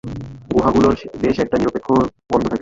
গুহাগুলোর বেশ একটা নিরপেক্ষ গন্ধ থাকে।